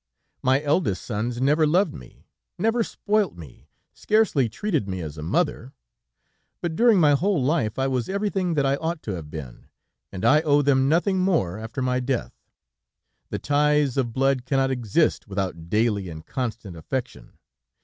"'My eldest sons never loved me, never spoilt me, scarcely treated me as a mother, but during my whole life I was everything that I ought to have been, and I owe them nothing more after my death. The ties of blood cannot exist without daily and constant affection.